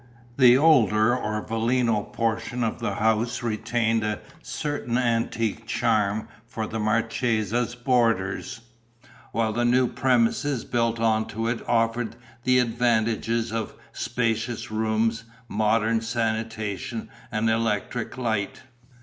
The older or villino portion of the house retained a certain antique charm for the marchesa's boarders, while the new premises built on to it offered the advantages of spacious rooms, modern sanitation and electric light.